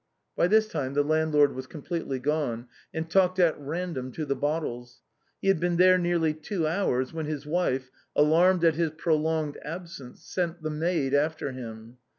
By this time the landlord was completely gone, and talked at random to the bottles. He had been there nearly two hours, when his wife, alarmed at his prolonged ab sence, sent the maid after him.